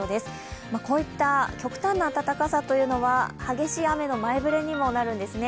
こういった極端な暖かさというのは激しい雨の前触れにもなるんですね。